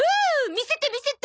見せて見せて！